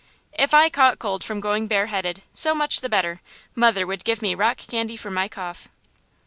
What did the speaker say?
If I caught cold from going bareheaded, so much the better; mother would give me rock candy for my cough.